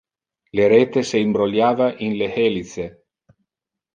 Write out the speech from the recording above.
Le rete se imbroliava in le helice.